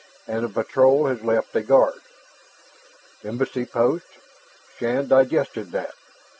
And the patrol has left a guard." Embassy post. Shann digested that.